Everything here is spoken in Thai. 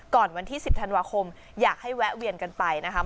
วันที่๑๐ธันวาคมอยากให้แวะเวียนกันไปนะคะ